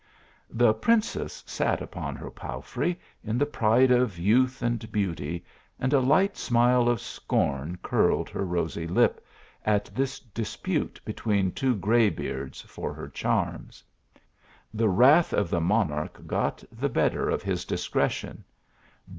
The princess sat upon her palfrey, in the pride of youth and beauty, and a light smile ci icorn curled her rosy lip, at this dispute between two gray beards for her charms. The wrath of the monarch got the better of his discretion.